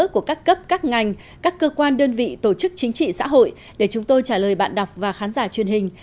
của các cấp các ngành các cơ quan đơn vị tổ chức chính trị xã hội để chúng tôi trả lời bạn đọc và khán giả truyền hình